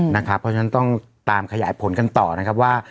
เพราะฉะนั้นต้องตามขยายผลกันต่อนะครับว่า